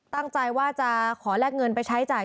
ตั้งใจว่าจะขอแลกเงินไปใช้จ่าย